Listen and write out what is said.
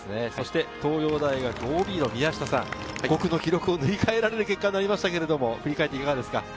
東洋大学ＯＢの宮下さん、５区の記録を塗り替えられる結果となりますがいかがですか？